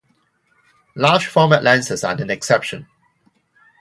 Large format lenses are an exception.